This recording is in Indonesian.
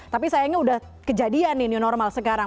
tapi sayangnya udah kejadian nih new normal sekarang